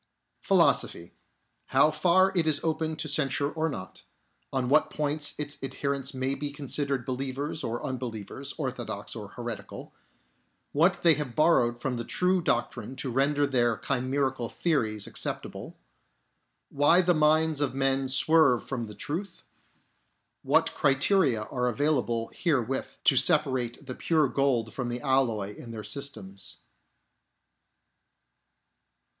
Philosophy. — How far it is open to censure or not — On what points its adherents may be considered believers or unbelievers, orthodox or heretical — What they have borrowed from the true doctrine to render their chimerical theories acceptable — Why the minds of men swerve from the truth — What criteria are available wherewith te separate the pure gold from the alloy in their systems.